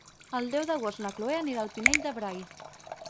El deu d'agost na Cloè anirà al Pinell de Brai.